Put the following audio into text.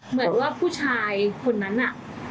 เหมือนว่าผู้ชายคนนั้นน่ะ